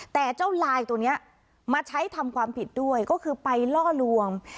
แต่เจ้าลายตัวนี้มาใช้ทำความผิดด้วยก็คือไปล่อลวง